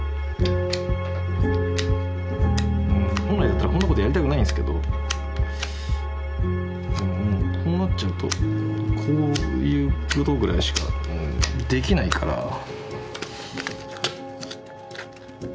本来だったらこんなことやりたくないんですけどこうなっちゃうとこういうことぐらいしかできないから。